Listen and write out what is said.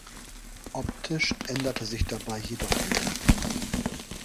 Optisch änderte sich dabei jedoch wenig.